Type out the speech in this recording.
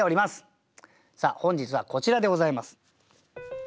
さあ本日はこちらでございます。